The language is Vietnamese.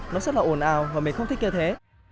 nó rất là ồn ào và mình không thích kêu thế